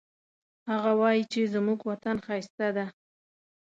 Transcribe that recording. هغه وایي چې زموږ وطن ښایسته ده